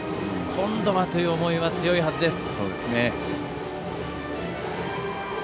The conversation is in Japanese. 今度はという思いは強いはずです。